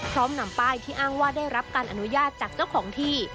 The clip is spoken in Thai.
พร้อมนำป้ายที่อ้างว่าได้รับการอนุญาตจากเจ้าของที่